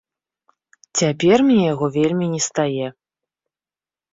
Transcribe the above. Цяпер мне яго вельмі не стае.